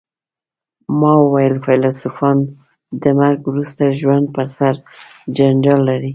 ما وویل فیلسوفان د مرګ وروسته ژوند په سر جنجال لري